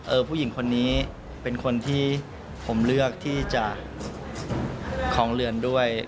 ผู้หญิงคนนี้เป็นคนที่ผมเลือกที่จะของเรือนด้วย